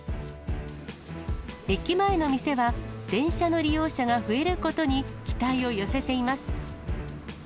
駅前の店は、電車の利用者が増えることに期待を寄せています。